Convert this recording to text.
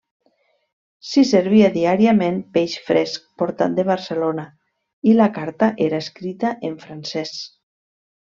S'hi servia diàriament peix fresc portat de Barcelona i la carta era escrita en francès.